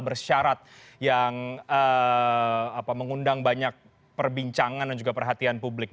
bersyarat yang mengundang banyak perbincangan dan juga perhatian publik